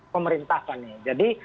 pemerintah fani jadi